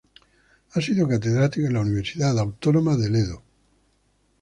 Ha sido catedrático en la Universidad Autónoma del Edo.